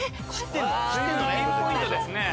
ピンポイントですね。